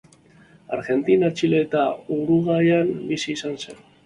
Argentina, Txile eta Uruguain bizi izan zen.